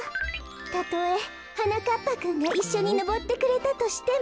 たとえはなかっぱくんがいっしょにのぼってくれたとしても。